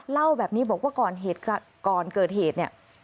เล่าแบบนี้บอกว่าก่อนเกิดเหตุเนี่ย